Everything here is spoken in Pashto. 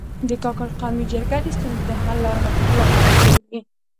د کاکړ قومي جرګه د ستونزو د حل لپاره کارېږي.